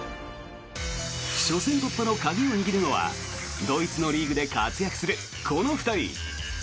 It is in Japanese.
初戦突破の鍵を握るのはドイツのリーグで活躍するこの２人。